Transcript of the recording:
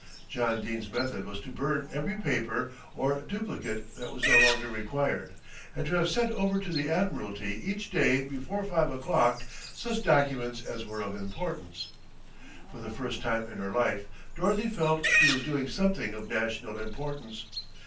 John Dene's method was to burn every paper or duplicate that was no longer required, and to have sent over to the Admiralty each day before five o'clock such documents as were of importance. For the first time in her life Dorothy felt she was doing something of national importance.